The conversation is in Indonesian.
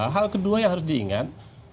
hal kedua yang harus diingat